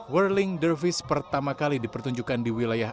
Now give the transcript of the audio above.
whirling dervis pertama kali dipertunjukkan di wilayah